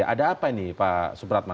ada apa ini pak subratman